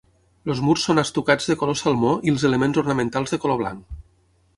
Els murs són estucats de color salmó i els elements ornamentals de color blanc.